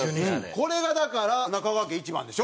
これがだから中川家１番でしょ？